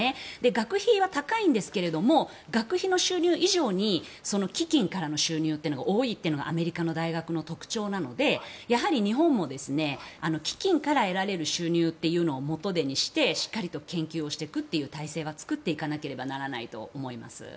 学費は高いんですけれども学費の収入以上に基金からの収入が多いというのがアメリカの大学の特徴なのでやはり日本も基金から得られる収入を元手にしてしっかりと研究をしていく体制は作っていかなければならないと思います。